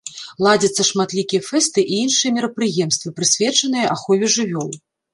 Ладзяцца шматлікія фэсты і іншыя мерапрыемствы, прысвечаныя ахове жывёл.